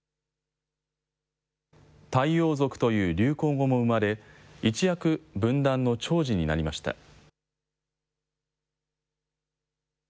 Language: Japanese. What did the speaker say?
太陽族という流行語も生まれ、一躍、文壇のちょうじになりました。